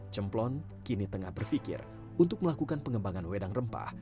jemplon kini tengah berfikir untuk melakukan pengembangan wedang rempah